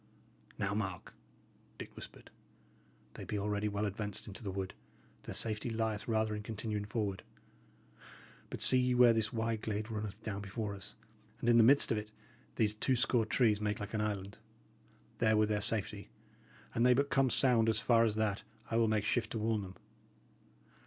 "Now, mark," Dick whispered. "They be already well advanced into the wood; their safety lieth rather in continuing forward. But see ye where this wide glade runneth down before us, and in the midst of it, these two score trees make like an island? There were their safety. An they but come sound as far as that, I will make shift to warn them.